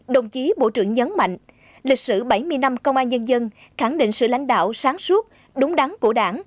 đồng chí bộ trưởng nhấn mạnh lịch sử bảy mươi năm công an nhân dân khẳng định sự lãnh đạo sáng suốt đúng đắn của đảng